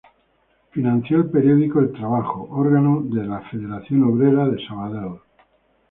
Financió el periódico "El Trabajo", órgano de la Federación Obrera de Sabadell.